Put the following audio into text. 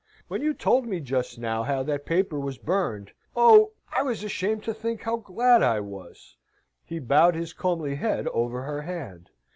When you told me, just now how that paper was burned oh! I was ashamed to think how glad I was." He bowed his comely head over her hand.